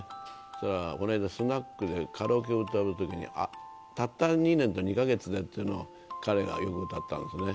それは、この間、スナックでカラオケを歌うときに、たった２年と２か月でっていうのを彼が歌うことがあったんですね。